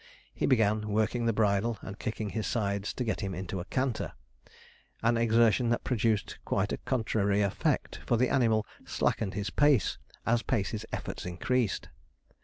He began working the bridle and kicking his sides, to get him into a canter; an exertion that produced quite a contrary effect, for the animal slackened his pace as Pacey's efforts increased.